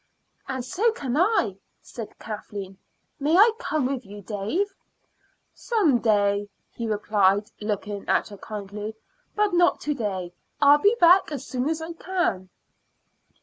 "And so can I," said Kathleen. "May I come with you, Dave?" "Some day," he replied, looking at her kindly, "but not to day. I'll be back as soon as I can."